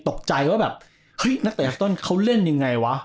ตกใจว่านักเต้นเต้นเค้าเล่นยังไงวะ